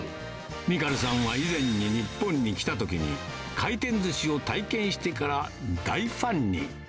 ミカルさんは以前に日本に来たときに、回転ずしを体験してから大ファンに。